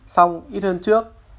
xong ít hơn trước